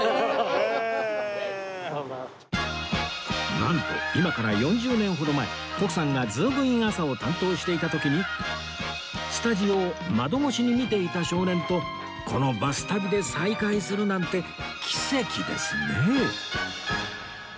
なんと今から４０年ほど前徳さんが『ズームイン！！朝！』を担当していた時にスタジオを窓越しに見ていた少年とこの『バス旅』で再会するなんて奇跡ですね